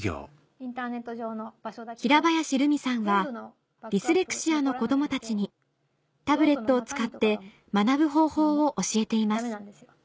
平林ルミさんはディスレクシアの子供たちにタブレットを使って学ぶ方法を教えています